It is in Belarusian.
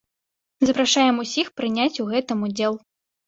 Запрашаем усіх прыняць у гэтым удзел.